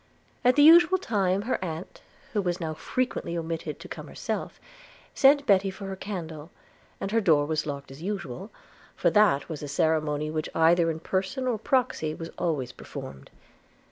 At the usual time her aunt, who now frequently omitted to come herself, sent Betty for her candle, and her door was locked as usual, for that was a ceremony which either in person or proxy was always performed.